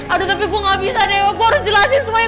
aduh tapi gue gak bisa deh gue harus jelasin semuanya